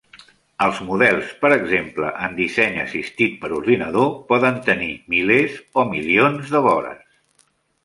Els models, per exemple, en disseny assistit per ordinador, poden tenir milers o milions de vores.